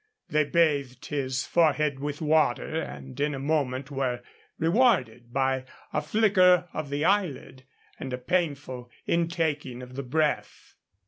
They bathed his forehead with water, and in a moment were rewarded by a flicker of the eyelid and a painful intaking of the breath.